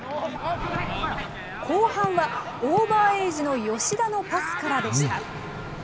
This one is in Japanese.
後半は、オーバーエイジの吉田のパスからでした。